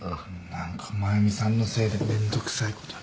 何か真由美さんのせいでめんどくさいことに。